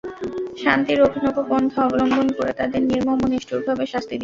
শাস্তির অভিনব পন্থা অবলম্বন করে তাদের নির্মম ও নিষ্ঠুরভাবে শাস্তি দিচ্ছে।